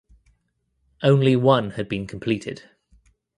Only one had been completed.